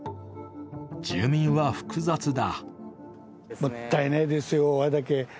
住民は複雑だ。